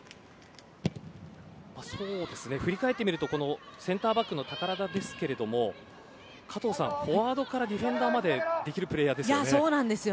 振り返ってみるとセンターバックの宝田ですけれど加藤さん、フォワードからディフェンダーまでそうなんですよね。